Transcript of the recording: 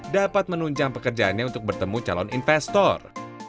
dapat menunjang pekerjaannya untuk bertemu calon investor